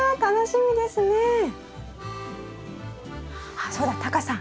あっそうだタカさん